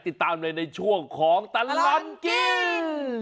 ติดตามเลยในช่วงของตลอดกิน